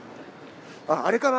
あっあれかな？